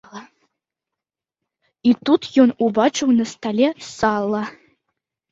І тут ён убачыў на стале сала.